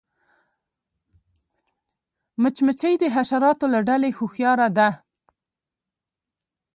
مچمچۍ د حشراتو له ډلې هوښیاره ده